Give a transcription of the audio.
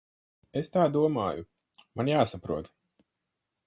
Es tā domāju. Man jāsaprot.